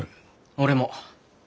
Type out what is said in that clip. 俺も。